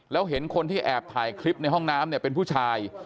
แล้วเห็นคนที่แอบถ่ายคลิปในห้องน้ำเนี่ยเป็นผู้ชาย